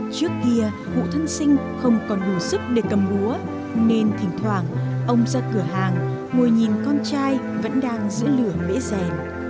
trước kia cụ thân sinh không còn đủ sức để cầm búa nên thỉnh thoảng ông ra cửa hàng ngồi nhìn con trai vẫn đang giữa lửa bể rèn